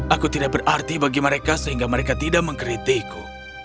aku tidak berarti bagi mereka sehingga mereka tidak mengkritikku